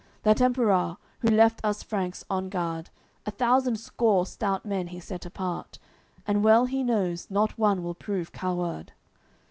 That Emperour, who left us Franks on guard, A thousand score stout men he set apart, And well he knows, not one will prove coward.